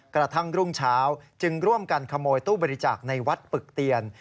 กระทั่งรุ่งเช้าจึงร่วมกันขโมยตู้บริจาคในวัดปึกเตียน